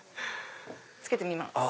つけてみますか。